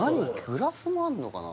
グラスもあんのかな？